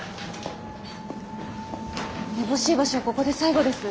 めぼしい場所はここで最後です。